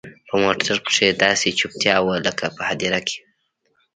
په موټر کښې داسې چوپتيا وه لكه په هديره کښې.